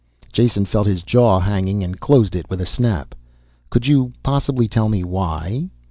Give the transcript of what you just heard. Jason felt his jaw hanging and closed it with a snap. "Could you possibly tell me why?"